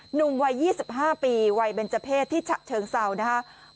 หนุ่มวัย๒๕ปีวัยเบนเจอร์เพศที่ฉะเชิงเซานะครับ